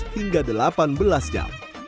enam belas hingga delapan belas jam